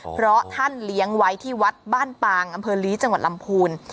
เพราะท่านเลี้ยงไว้ที่วัดบ้านปางอำเภอลีจังหวัดลำพูน